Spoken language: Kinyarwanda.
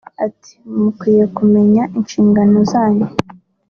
Ati"Mukwiye kumenya inshingano zanyu